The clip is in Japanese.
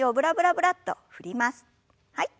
はい。